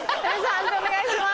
判定お願いします。